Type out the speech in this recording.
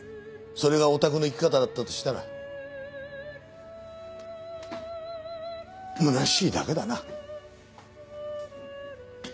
それがオタクの生き方だったとしたらむなしいだけだな。